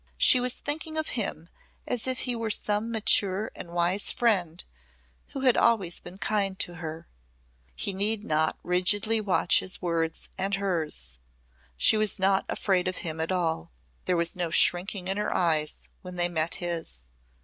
She was thinking of him as if he were some mature and wise friend who had always been kind to her. He need not rigidly watch his words and hers. She was not afraid of him at all; there was no shrinking in her eyes when they met his.